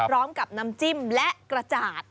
พร้อมกับน้ำจิ้มและกระจาด